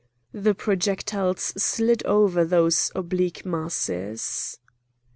The projectiles slid over these oblique masses.